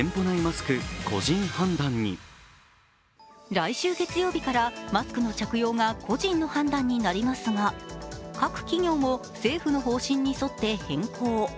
来週月曜日からマスクの着用が個人の判断になりますが各企業も政府の方針に沿って変更。